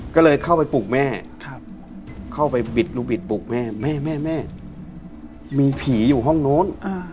ก็เลยเข้าไปปลูกแม่เข้าไปบิดลูกบิดปลูกแม่แม่แม่มีผีอยู่ห้องนู้น